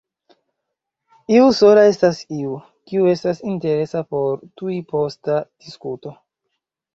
Iu sola estas iu, kiu estas interesa por tujposta diskuto.